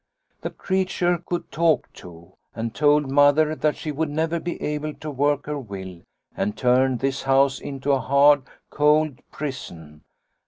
The creature could talk too, and told Mother that she would never be able to work her will and turn this house into a hard, cold prison.